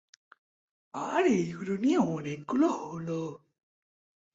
আর এইগুলো নিয়ে অনেকগুলো হোল।